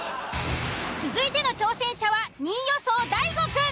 続いての挑戦者は２位予想大悟くん。